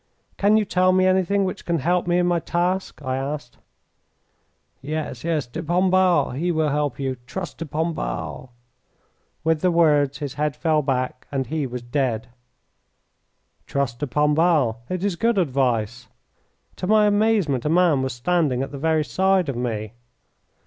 "Can you tell me anything which can help me in my task?" I asked. "Yes, yes; de Pombal. He will help you. Trust de Pombal." With the words his head fell back and he was dead. "Trust de Pombal. It is good advice." To my amazement a man was standing at the very side of me.